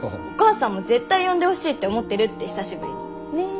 お母さんも絶対呼んでほしいって思ってるって久しぶりに。ね！